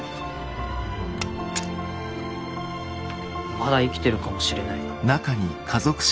まだ生きてるかもしれない。